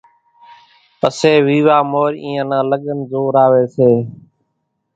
پسيَ ويوا مورِ اينيان نان لڳنَ زوراويَ سي۔